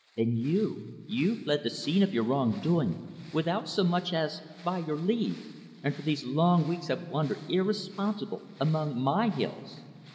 And you you fled the scene of your wrong doing, without so much as by your leave, and for these long weeks have wandered, irresponsible, among my hills.